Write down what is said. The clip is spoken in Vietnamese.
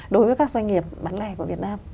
đối với các doanh nghiệp bán lẻ của việt nam